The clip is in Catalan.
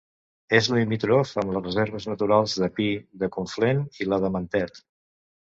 És limítrof amb les reserves naturals de Pi de Conflent i la de Mentet.